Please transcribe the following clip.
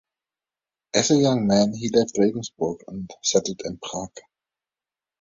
As a young man he left Regensburg and settled in Prague.